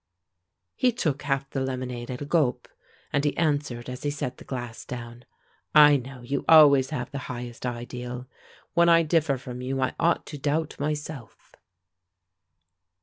He took half the lemonade at a gulp, and he answered as he set the glass down: "I know you always have the highest ideal. When I differ from you, I ought to doubt myself."